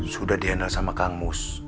sudah diandalkan kang mus